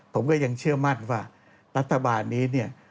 ผมก็ยังเชื่อมั่นว่ารัฐบาลนี้เนี่ย